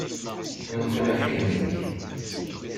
Nekk mačči d mmi-k.